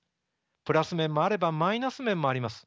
プラス面もあればマイナス面もあります。